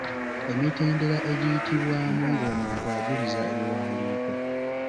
Emitendera egiyitibwamu ng’omuntu ajuliza ebiwandiiko